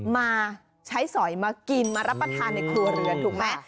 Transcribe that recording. มาใช้สอยมากินมารับประทานในครัวเรือนถูกไหม